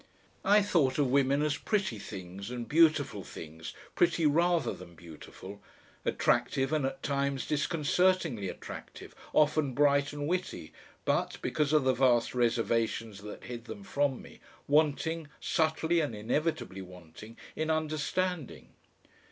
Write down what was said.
I thought of women as pretty things and beautiful things, pretty rather than beautiful, attractive and at times disconcertingly attractive, often bright and witty, but, because of the vast reservations that hid them from me, wanting, subtly and inevitably wanting, in understanding.